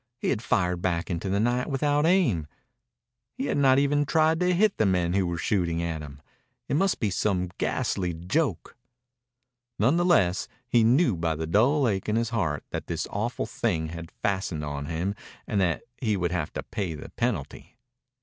He had fired back into the night without aim. He had not even tried to hit the men who were shooting at him. It must be some ghastly joke. None the less he knew by the dull ache in his heart that this awful thing had fastened on him and that he would have to pay the penalty.